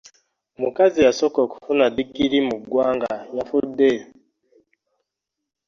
Omukazi eyasooka okufuna ddigiri mu ggwanga yafudde.